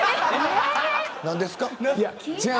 何ですか。